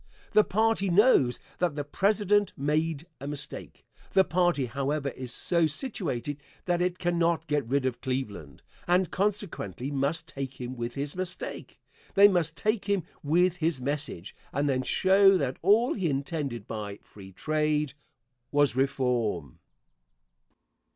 The party knows that the President made a mistake. The party, however, is so situated that it cannot get rid of Cleveland, and consequently must take him with his mistake they must take him with his message, and then show that all he intended by "free trade" was "reform."